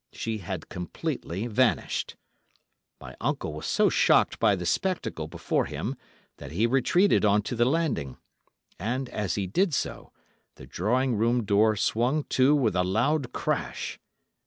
She had completely vanished. My uncle was so shocked by the spectacle before him that he retreated on to the landing, and, as he did so, the drawing room door swung to with a loud crash.